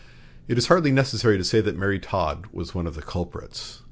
It is hardly necessary to say that Mary Todd was one of the culprits.